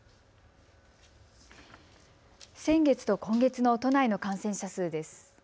先月と今月の都内の感染者数です。